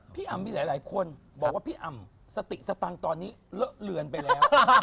อำมีหลายคนบอกว่าพี่อ่ำสติสตังค์ตอนนี้เลอะเลือนไปแล้ว